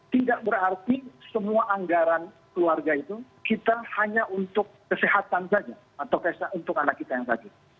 tidak berarti semua anggaran keluarga itu kita hanya untuk kesehatan saja atau untuk anak kita yang sakit